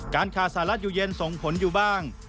การขาดสหรัฐอยู่เย็นส่งผลอยู่บ้าง